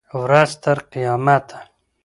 ورځ تر قیامته